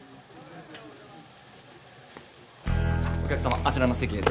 お客様あちらの席へ。